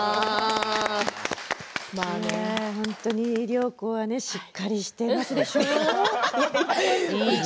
本当に良子はしっかりしてますでしょう？